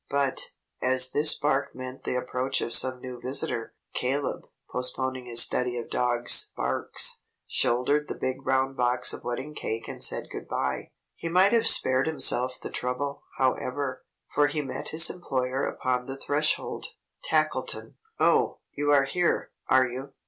But, as this bark meant the approach of some new visitor, Caleb, postponing his study of dogs' barks, shouldered the big round box of wedding cake and said good by. He might have spared himself the trouble, however, for he met his employer upon the threshold. Tackleton "Oh! You are here, are you?